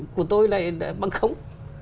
của tôi lại bằng không